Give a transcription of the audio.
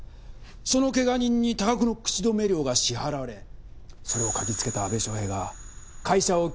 その怪我人に多額の口止め料が支払われそれを嗅ぎつけた阿部祥平が会社を恐喝していたようです。